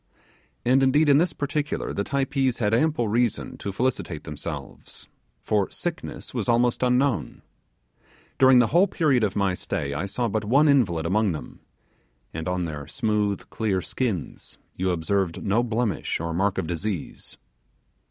And indeed in this particular the Typees had ample reason to felicitate themselves, for sickness was almost unknown. During the whole period of my stay I saw but one invalid among them; and on their smooth skins you observed no blemish or mark of disease.